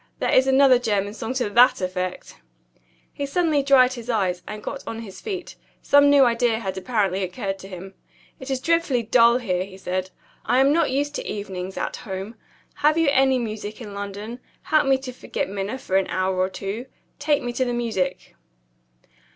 There is another German song to that effect." He suddenly dried his eyes, and got on his feet; some new idea had apparently occurred to him. "It is dreadfully dull here," he said; "I am not used to evenings at home. Have you any music in London? Help me to forget Minna for an hour or two. Take me to the music."